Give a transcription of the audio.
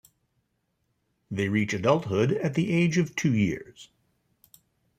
They reach adulthood at the age of two years.